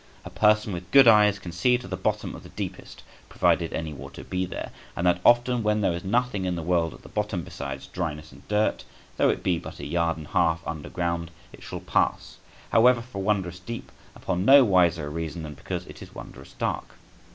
A person with good eyes can see to the bottom of the deepest, provided any water be there; and that often when there is nothing in the world at the bottom besides dryness and dirt, though it be but a yard and half under ground, it shall pass, however, for wondrous deep, upon no wiser a reason than because it is wondrous dark.